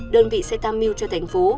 đơn vị sẽ tham mưu cho thành phố